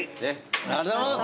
ありがとうございます。